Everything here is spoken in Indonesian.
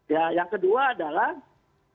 ya yang kedua adalah